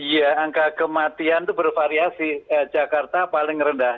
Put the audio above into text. iya angka kematian itu bervariasi jakarta paling rendah